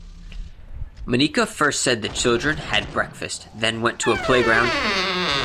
Monika first said the children had breakfast, then went to a playground.